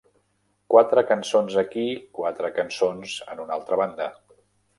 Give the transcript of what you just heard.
Quatre cançons aquí, quatre cançons en una altra banda.